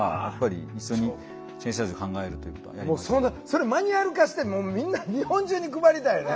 それマニュアル化してみんな日本中に配りたいよね。